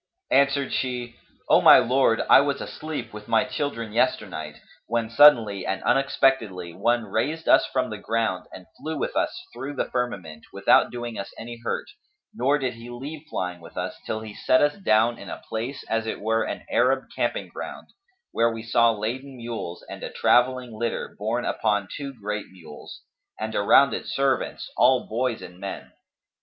Answered she, "O my lord, I was asleep with my children yesternight, when suddenly and unexpectedly one raised us from the ground and flew with us through the firmament without doing us any hurt, nor did he leave flying with us, till he set us down in a place as it were an Arab camping ground, where we saw laden mules and a travelling litter borne upon two great mules, and around it servants, all boys and men.